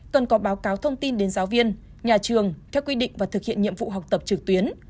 cần có báo cáo thông tin đến giáo viên nhà trường theo quy định và thực hiện nhiệm vụ học tập trực tuyến